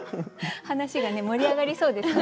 話がね盛り上がりそうですね。